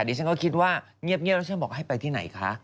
ดิฉันก็คิดว่าเงียบแล้วฉันบอกให้ไปที่ไหนคะ